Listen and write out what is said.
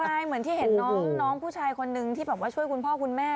ใช่เหมือนที่เห็นน้องผู้ชายคนนึงที่แบบว่าช่วยคุณพ่อคุณแม่